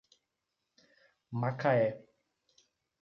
Macaé